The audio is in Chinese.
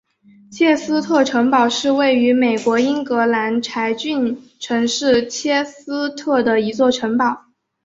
切斯特城堡是位于英国英格兰柴郡城市切斯特的一座城堡。